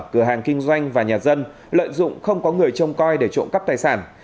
cửa hàng kinh doanh và nhà dân lợi dụng không có người trông coi để trộm cắp tài sản